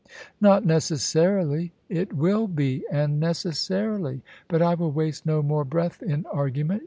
" Not necessarily." " It will be — ^and necessarily. But I will waste no more breath in argument.